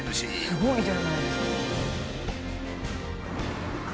すごいじゃないですか。